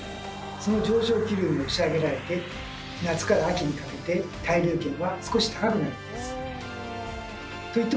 その上昇気流に押し上げられて夏から秋にかけて対流圏は少し高くなるんです。